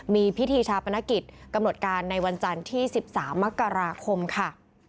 มีพิธีชาปนกิจกำหนดการในวันจันทร์ที่๑๓มกราคมค่ะ